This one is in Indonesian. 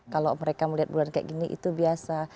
kalau mereka melihat bulan kayak gini itu biasa